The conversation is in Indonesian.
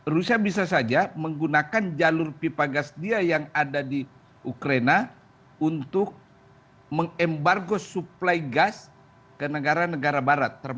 rusia bisa saja menggunakan jalur pipa gas dia yang ada di ukraina untuk mengembargo suplai gas ke negara negara barat